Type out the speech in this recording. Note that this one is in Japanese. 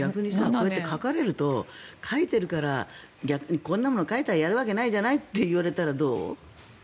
こうやって書かれると書いているからこんなもの書いたらやるわけないじゃないと言われたら、どう？